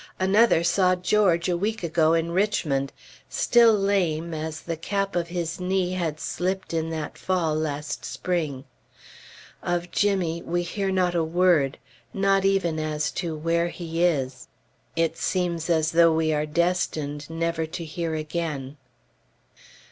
Another saw George a week ago in Richmond, still lame, as the cap of his knee had slipped in that fall last spring. Of Jimmy we hear not a word, not even as to where he is. It seems as though we are destined never to hear again.